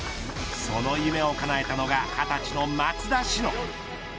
その夢をかなえたのが２０歳の松田詩野。